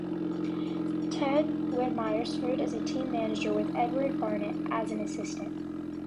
Ted Wedemeyer served as team manager with Edward Barrett as an assistant.